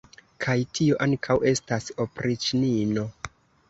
Kaj tio ankaŭ estas opriĉnino!